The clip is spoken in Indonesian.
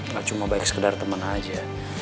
gak cuma baik sekedar teman aja